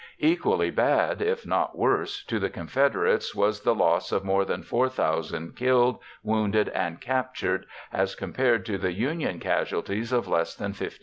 Equally bad, if not worse, to the Confederates was the loss of more than 4,000 killed, wounded, and captured as compared to the Union casualties of less than 1,500.